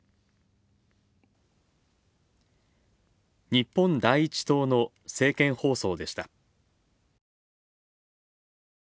日本第一党の政見放送でした。